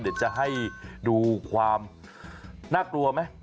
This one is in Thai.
เดี๋ยวจะให้ดูความน่ากลัวไหม